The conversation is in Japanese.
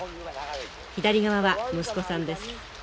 左側は息子さんです。